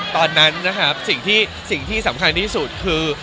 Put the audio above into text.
ตอนนั้นนะครับสิ่งที่สำคัญที่สุดคือ